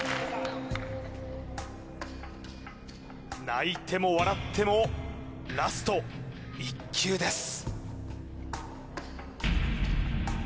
泣いても笑ってもラスト１球です